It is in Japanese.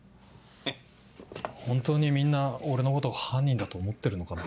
本当にみんな俺のこと犯人だと思ってるのかな。